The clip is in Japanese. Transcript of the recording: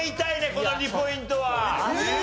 この２ポイントは。